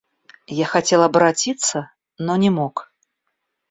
Я хотел оборотиться, но не мог.